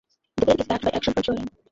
The bill is backed by Action for Children.